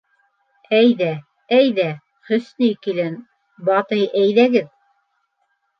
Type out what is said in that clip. Әйҙә, әйҙә, Хөснөй килен, Батый, әйҙәгеҙ!